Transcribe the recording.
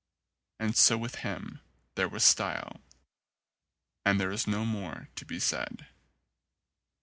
And so with him ; there was style, and there is no more to be said.